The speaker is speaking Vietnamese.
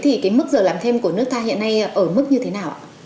thì cái mức giờ làm thêm của nước ta hiện nay ở mức như thế nào ạ